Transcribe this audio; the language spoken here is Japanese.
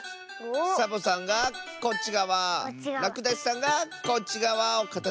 サボさんがこっちがわらくだしさんがこっちがわをかたづけるんだね。